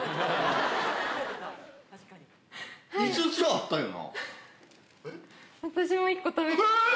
５つあったよな。